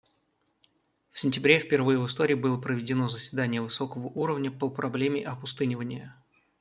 В сентябре впервые в истории было проведено заседание высокого уровня по проблеме опустынивания.